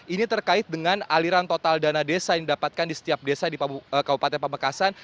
ini terkait dengan aliran total dana desa yang didapatkan di setiap desa di kabupaten pamekasan